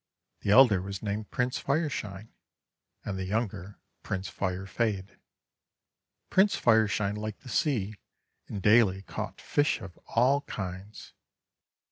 The elder was named Prince Fireshine and the younger Prince Firefade. Prince Fireshine liked the sea, and daily caught fish of all kinds.